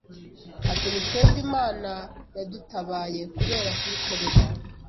Ati ni twebwe Imana yadutabaye kubera kuyikorera